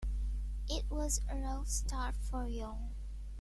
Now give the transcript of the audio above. It was a rough start for Young.